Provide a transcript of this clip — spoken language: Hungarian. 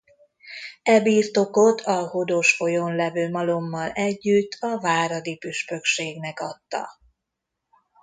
E birtokot a Hodos folyón levő malommal együtt a váradi püspökségnek adta.